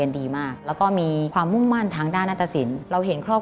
ถ้าถูกข้อแรกนะครับ